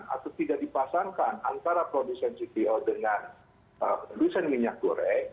karena tidak dipasangkan antara produsen cpo dengan produsen minyak goreng